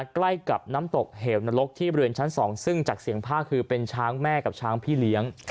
ใกล้กับน้ำตกเหวนรกที่บริเวณชั้น๒ซึ่งจากเสียงผ้าคือเป็นช้างแม่กับช้างพี่เลี้ยง